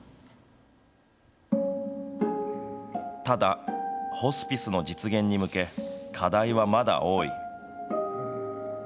ただ、ホスピスの実現に受け、課題はまだ多い。